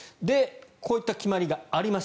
こういった決まりがあります。